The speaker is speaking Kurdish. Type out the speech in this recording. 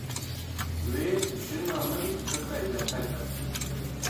Wê jina min bixeyde helbet.